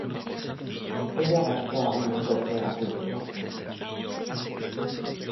Ello arrastró a una fuerte aculturación.